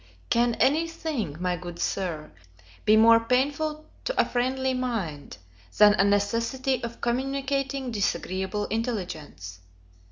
CAN any thing, my good Sir, be more painful to a friendly mind, than a necessity of communicating disagreeable intelligence?